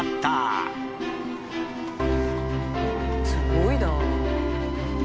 すごいなあ。